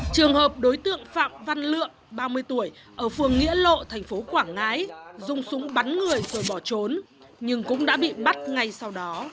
trường hợp đối tượng phạm văn lượng ba mươi tuổi ở phường nghĩa lộ thành phố quảng ngãi dùng súng bắn người rồi bỏ trốn nhưng cũng đã bị bắt ngay sau đó